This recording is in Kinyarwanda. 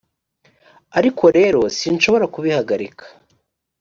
ariko rero, sinshobora kubihagarika,